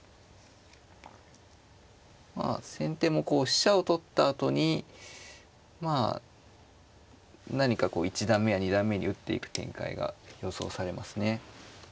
まあ先手もこう飛車を取ったあとにまあ何かこう一段目や二段目に打っていく展開が予想されますね。